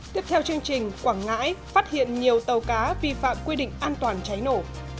tiếp theo chương trình quảng ngãi phát hiện nhiều tàu cá vi phạm quy định an toàn cháy nổ